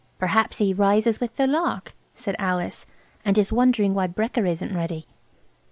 "Perhaps he rises with the lark," said Alice, "and is wondering why brekker isn't ready."